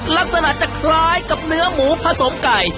ลักษณะจะคล้ายกับเนื้อหมูผสมไก่